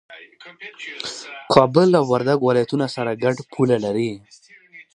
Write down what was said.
کابل او وردګ ولايتونه سره ګډه پوله لري